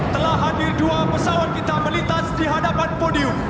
telah hadir dua pesawat kita melintas di hadapan podium